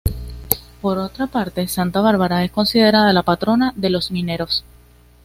Por otra parte, Santa Bárbara es considerada la patrona de los mineros.